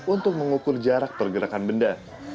untuk mengukur jarak pergerakan benda